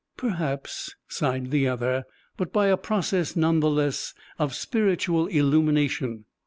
"Perhaps," sighed the other; "but by a process, none the less, of spiritual illumination.